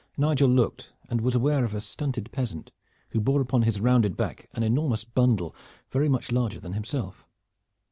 Nigel looked, and was aware of a stunted peasant who bore upon his rounded back an enormous bundle very much larger than himself.